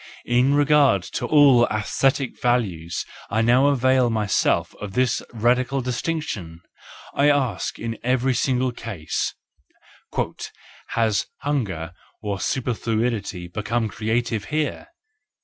—In regard to all .esthetic values I now avail myself of this radical distinction : I ask in every single case, " Has hunger or superfluity become creative here